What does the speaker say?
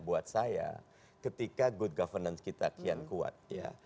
buat saya ketika good governance kita kian kuat ya